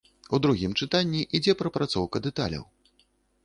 У другім чытанні ідзе прапрацоўка дэталяў.